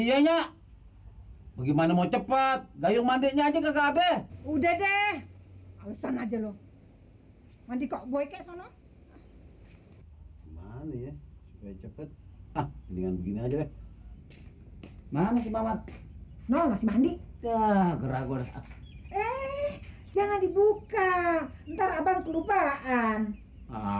iya nggak gimana mau cepat daya mandinya aja nggak ada udah deh alasan aja loh mandi kok gue